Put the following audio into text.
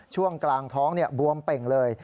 ช่วงกลางท้องบวมเป่งเลย